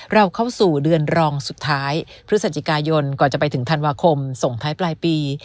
เราเข้าสู่เดือนรองสุดท้ายพฤศจิกายนก่อนจะไปถึงธันวาคมส่งท้ายปลายปี